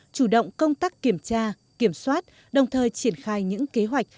chủ động công tác kiểm tra kiểm soát đồng thời triển khai những kế hoạch